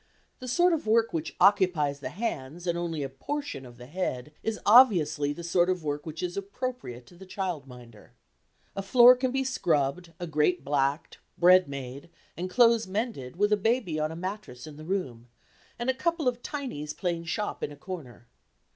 The sort of work which occupies the hands and only a portion of the head is obviously the sort of work which is appropriate to the child minder. A floor can be scrubbed, a grate blacked, bread made, and clothes mended with a baby on a mattress in the room, and a couple of tinies playing shop in a corner.